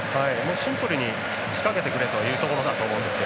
シンプルに仕掛けてくれというところだと思うんですよね。